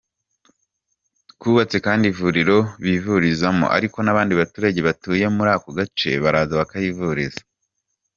Twubatse kandi ivuriro bivurizamo ariko n’abandi baturage batuye muri ako gace baraza bakahivuriza.